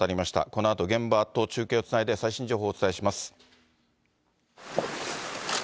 このあと現場と中継をつないで、最新情報をお伝えします。